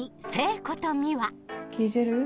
聞いてる？